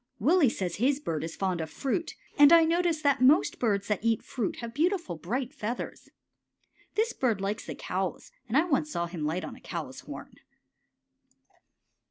Willie says his bird is fond of fruit, and I notice that most birds that eat fruit have beautiful, bright feathers. This bird likes the cows, and I once saw him light on a cow's horn.